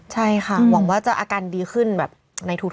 ใช่ค่ะหวังว่าจะอาการดีขึ้นแบบในทุก